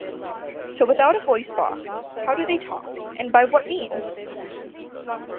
So without a voice box, how do they talk, and by what means?